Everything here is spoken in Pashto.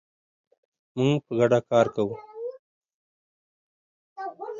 موږ په ګډه کار کوو.